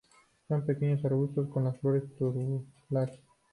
Son pequeños arbustos con las flores tubulares.